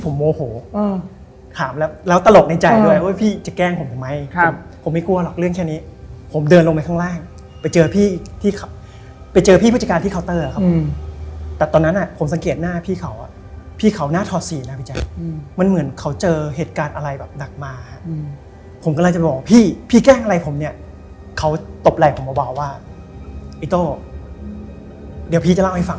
ผับแห่งนั้นเป็นผับที่มีชื่อมากนะในสมัยนั้น